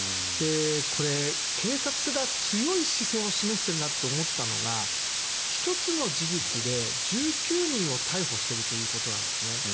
これ、警察が強い姿勢を示しているなと思ったのが１つの事実で１９人を逮捕しているということなんです。